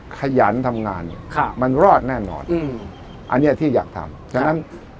ขยันทำงานเนี่ยมันรอดแน่นอนอืมอันเนี้ยที่อยากทำฉะนั้น